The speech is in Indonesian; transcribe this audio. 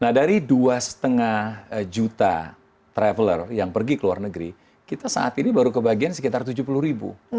nah dari dua lima juta traveler yang pergi ke luar negeri kita saat ini baru kebagian sekitar tujuh puluh ribu